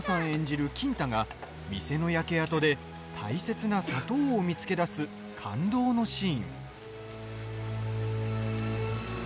演じる金太が店の焼け跡で大切な砂糖を見つけ出す感動のシーン。